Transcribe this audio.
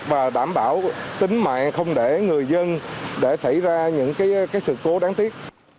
và đảm bảo tính mạng không để người dân để xảy ra những sự cố đáng tiếc